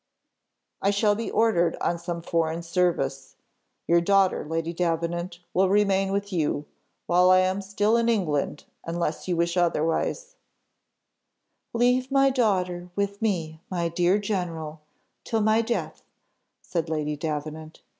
"I shall be ordered on some foreign service. Your daughter, Lady Davenant, will remain with you, while I am still in England, unless you wish otherwise " "Leave my daughter with me, my dear general, till my death," said Lady Davenant.